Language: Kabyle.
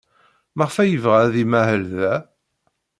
Maɣef ay yebɣa ad imahel da?